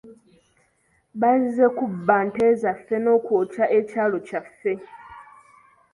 Bazze kubba nte zaaffe n'okwokya ekyalo kyaffe.